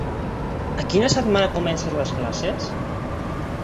A quina setmana comences les classes?